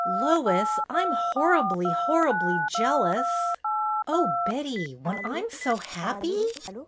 "Lois, I'm horribly, horribly jealous!" "Oh, Betty, when I'm so happy!"